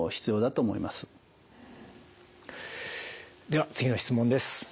では次の質問です。